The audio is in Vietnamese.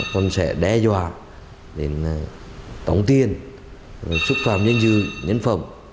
còn sẽ đe dọa đến tổng tiên xúc phạm nhân dư nhân phẩm